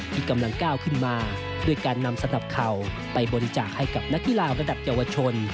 ที่กำลังก้าวขึ้นมาด้วยการนำสนับเข่าไปบริจาคให้กับนักกีฬาระดับเยาวชน